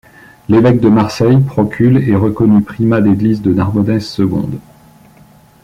L'évêque de Marseille, Procule, est reconnu primat d'églises de Narbonnaise seconde.